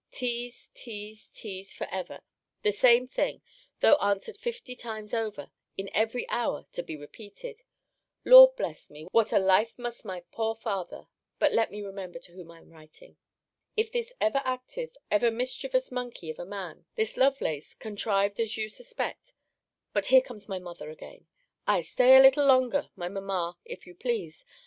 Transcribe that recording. Tease, tease, tease, for ever! The same thing, though answered fifty times over, in every hour to be repeated Lord bless me! what a life must my poor father But let me remember to whom I am writing. If this ever active, ever mischievous monkey of a man, this Lovelace, contrived as you suspect But here comes my mother again Ay, stay a little longer, my Mamma, if you please I can but be suspected!